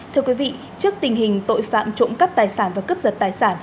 thưa quý vị trước tình hình tội phạm trộm cắp tài sản và cướp giật tài sản